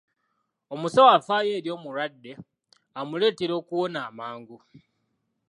Omusawo afaayo eri omulwadde amuleetera okuwona amangu.